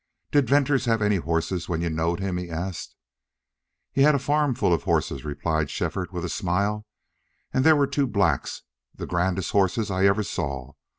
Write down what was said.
"Did Venters have any hosses when you knowed him?" he asked. "He had a farm full of horses," replied Shefford, with a smile. "And there were two blacks the grandest horses I ever saw.